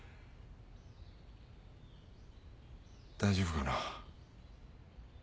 大丈夫かな？